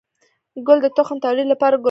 گل د تخم توليد لپاره ګلبرګ لري